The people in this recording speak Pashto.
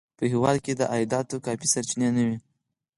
په هېواد کې د عایداتو کافي سرچینې نه وې.